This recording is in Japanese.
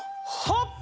はっ！